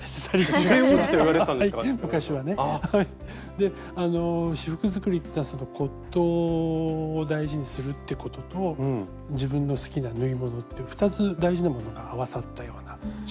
であの仕覆作りっていうのは骨とうを大事にするってことと自分の好きな縫い物っていう２つ大事なものが合わさったような趣味で。